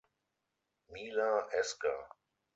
Mila esker.